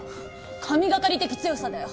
神懸かり的強さだよ。